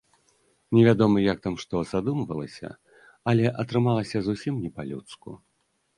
Невядома, як там што задумвалася, але атрымалася зусім не па-людску.